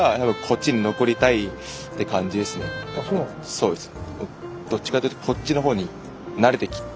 そうですね。